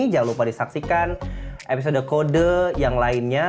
jangan lupa disaksikan episode kode yang lainnya